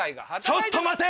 ちょっと待て！